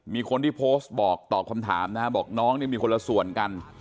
มีคนที่โพสต์บอกตอบคำถามนะฮะบอกน้องนี่มีคนละส่วนกัน